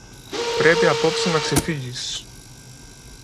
Πρέπει απόψε να ξεφύγεις